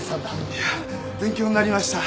いや勉強になりました。